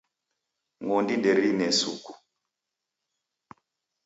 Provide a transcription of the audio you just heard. Ng'ondi nderine suku